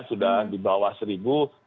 sudah di bawah seribu